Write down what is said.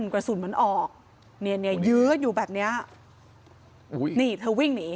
กระสุนมันออกเนี่ยเนี่ยยื้ออยู่แบบเนี้ยอุ้ยนี่เธอวิ่งหนี